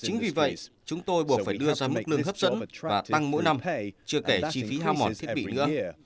chính vì vậy chúng tôi buộc phải đưa ra mức lương hấp dẫn và tăng mỗi năm chưa kể chi phí ham món thiết bị nữa